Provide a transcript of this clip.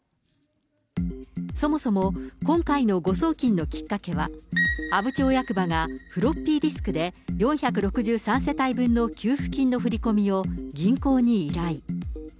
そもそも今回の誤送金のきっかけは、阿武町役場がフロッピーディスクで４６３世帯分の給付金の振り込みを銀行に依頼。